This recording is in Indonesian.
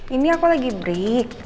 ini aku lagi break